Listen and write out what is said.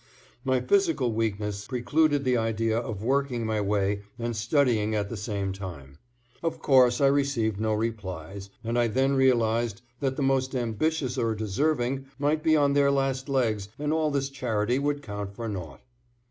My physical weakness precluded the idea of working my way and studying at the same time. Of course, I received no replies, and I then realized that the most ambitious or deserving might be on their last legs and all this charity would count for naught.